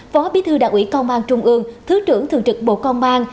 phó bí thư đảng ủy công an trung ương thứ trưởng thường trực bộ công an